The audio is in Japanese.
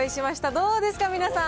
どうですか、皆さん。